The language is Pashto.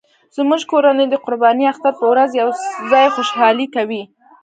زموږ کورنۍ د قرباني اختر په ورځ یو ځای خوشحالي کوي